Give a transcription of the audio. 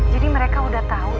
jadi mereka udah tau